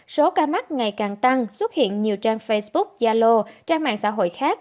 số ca mắc ngày càng tăng xuất hiện nhiều trang facebook yalo trang mạng xã hội khác